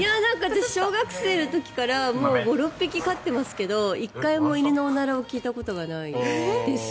小学生の時から５６匹飼ってますけど１回も犬のおならを聞いたことがないです。